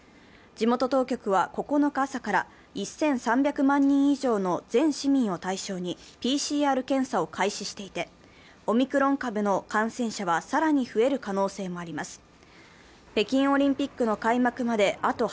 地元当局は９日朝から１３００万人以上の全市民を対象にＰＣＲ検査を開始していてオミクロン株の感染者は更に増える可能性もあります。